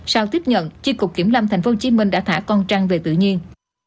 sau tiếp nhận chi cục kiểm lâm tp hcm đã thả con trăng về tự nhiên